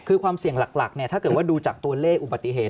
คือความเสี่ยงหลักถ้าเกิดว่าดูจากตัวเลขอุบัติเหตุ